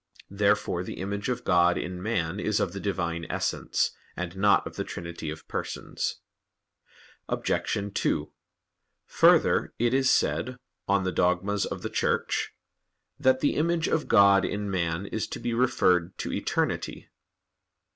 Therefore the image of God in man is of the Divine Essence, and not of the Trinity of Persons. Obj. 2: Further, it is said (De Eccl. Dogmat.) that the image of God in man is to be referred to eternity.